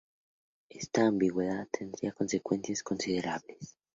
Esta ambigüedad tendría consecuencias considerables.